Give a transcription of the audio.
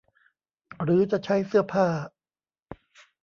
หรือจะใช้เสื้อผ้า